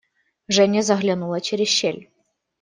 Женя заглянула через щель.